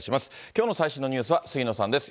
きょうの最新のニュースは、杉野さんです。